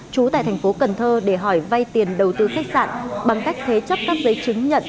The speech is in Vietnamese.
trú tại tp hcm để hỏi vay tiền đầu tư khách sạn bằng cách thế chấp các giấy chứng nhận